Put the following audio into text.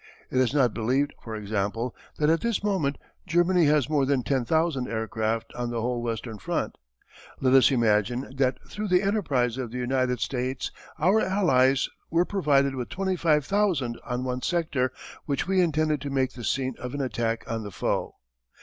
It is not believed, for example, that at this moment Germany has more than 10,000 aircraft on the whole western front. Let us imagine that through the enterprise of the United States our Allies were provided with 25,000 on one sector which we intended to make the scene of an attack on the foe.